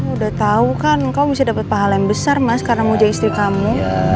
udah tau kan kamu bisa dapat pahala yang besar mas karena puja istri kamu